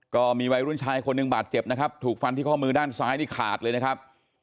ก็มีวัยรุ่นชายคนหนึ่งบาดเจ็บนะครับถูกฟันที่ข้อมือด้านซ้ายนี่ขาดเลยนะครับ